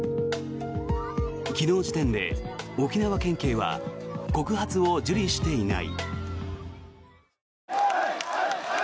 昨日時点で、沖縄県警は告発を受理していない。